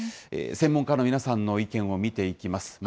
専門家の皆さんの意見を見ていきます。